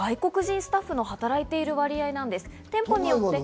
外国人スタッフの働いている割合です。